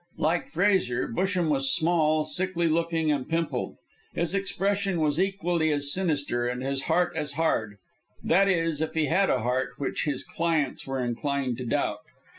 Like Fraisier, Busham was small, sickly looking and pimpled; his expression was equally as sinister, and his heart as hard that is if he had a heart, which his clients were inclined to doubt.